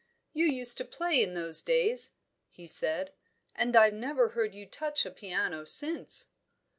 "You used to play in those days," he said, "and I've never heard you touch a piano since."